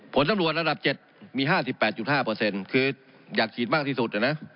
ผลสำรวจระดับ๗มี๕๘๕คืออยากฉีดมากที่สุดนะ